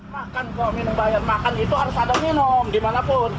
makan kalau minum bayar makan itu harus ada minum dimanapun